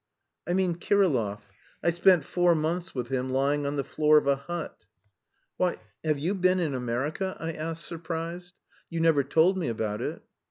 "I mean Kirillov. I spent four months with him lying on the floor of a hut." "Why, have you been in America?" I asked, surprised. "You never told me about it."